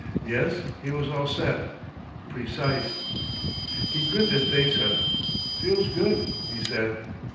Yes, he was all set. Precise. He grinned at Thesa. "Feels good," he said.